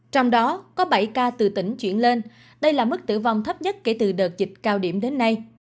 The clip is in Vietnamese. trong đó có bảy ca từ tỉnh chuyển lên đây là mức tử vong thấp nhất kể từ đợt dịch cao điểm đến nay